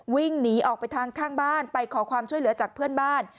วิ่งหนีออกไปทางข้างบ้านไปขอความช่วยเหลือจากเพื่อนบ้าน